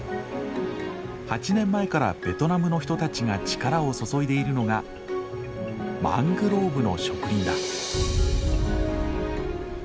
８年前からベトナムの人たちが力を注いでいるのがマングローブの植林だ。